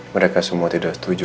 mereka semua tidak setuju